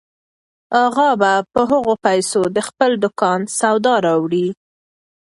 اغا به په هغو پیسو د خپل دوکان سودا راوړي.